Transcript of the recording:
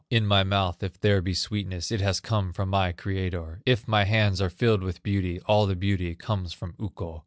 In my mouth, if there be sweetness, It has come from my Creator; If my hands are filled with beauty, All the beauty comes from Ukko."